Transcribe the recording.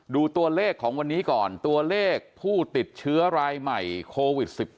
ดูตัวเลขของวันนี้ก่อนตัวเลขผู้ติดเชื้อรายใหม่โควิด๑๙